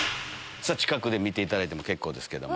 近くで見ていただいても結構ですけども。